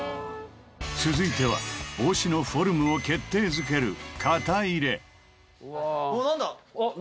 続いては帽子のフォルムを決定づけるおっ！